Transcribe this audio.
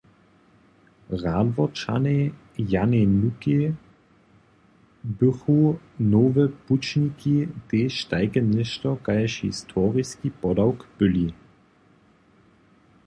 Radworčanej Janej Nukej bychu nowe pućniki tež tajke něšto kaž historiski podawk byli.